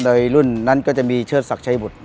โดยรุ่นนั้นก็จะมีเชิดศักดิ์ชัยบุตร